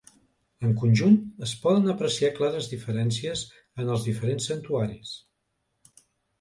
En conjunt, es poden apreciar clares diferències en els diferents santuaris.